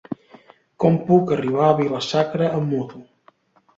Com puc arribar a Vila-sacra amb moto?